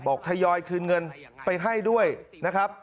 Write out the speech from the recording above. ทยอยคืนเงินไปให้ด้วยนะครับ